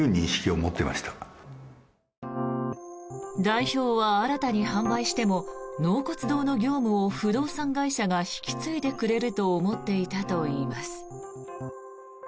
代表は新たに販売しても納骨堂の業務を不動産会社が引き継いでくれると思っていたといいます。